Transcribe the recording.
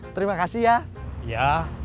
terima kasih ya